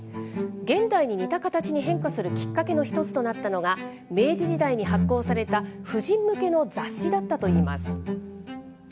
現代に似た形に変化するきっかけの一つとなったのが、明治時代に発行された婦人向けの雑誌だったといいます。